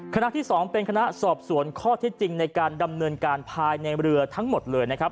คณะที่๒เป็นคณะสอบสวนข้อที่จริงในการดำเนินการภายในเรือทั้งหมดเลยนะครับ